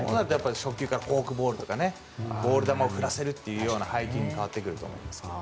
初球からフォークボールとかボール球を振らせるという配球に変わってくると思います。